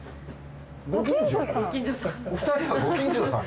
２人はご近所さん？